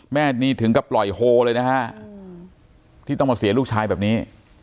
แม่นี่ถึงกับปล่อยโฮเลยนะฮะที่ต้องมาเสียลูกชายแบบนี้